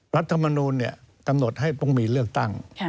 รัฐมนูลกำหนดให้ต้องมีเลือกตั้ง